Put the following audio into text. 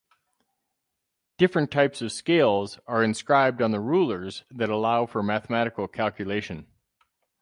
Different types of scales are inscribed on the rulers that allow for mathematical calculation.